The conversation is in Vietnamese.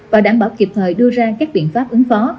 và đảm bảo kịp thời đưa ra các biện pháp ứng phó